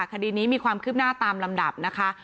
คดีนี้มีความคืบหน้าตามลำดับนะคะ